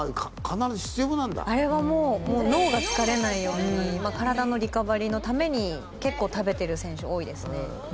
あれはもう脳が疲れないように体のリカバリーのために結構食べてる選手多いですね。